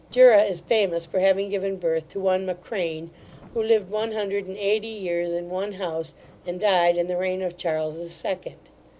Jura is famous for having given birth to one Mackcrain, who lived one hundred and eighty years in one house, and died in the reign of Charles the Second.